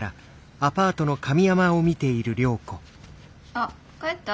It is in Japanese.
あっ帰った？